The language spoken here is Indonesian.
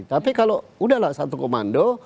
tapi kalau udahlah satu komando